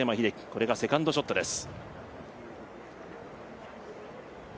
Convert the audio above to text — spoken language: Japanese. これがセカンドショットです。